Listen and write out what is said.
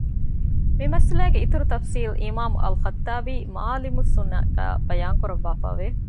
މިމައްސަލައިގެ އިތުރު ތަފްޞީލު އިމާމު އަލްޚައްޠާބީ މަޢާލިމުއް ސުނަންގައި ބަޔާންކުރަށްވާފައި ވެ